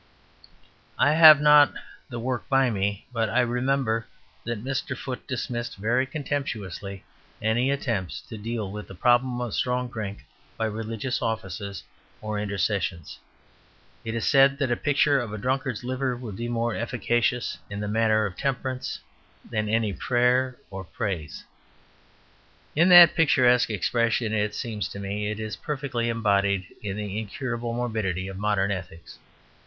I have not the work by me, but I remember that Mr. Foote dismissed very contemptuously any attempts to deal with the problem of strong drink by religious offices or intercessions, and said that a picture of a drunkard's liver would be more efficacious in the matter of temperance than any prayer or praise. In that picturesque expression, it seems to me, is perfectly embodied the incurable morbidity of modern ethics.